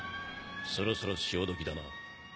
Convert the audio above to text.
そろそろ潮時だな。